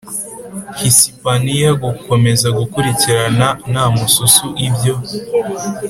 hisipaniya gukomeza gukurikirana nta mususu ibyo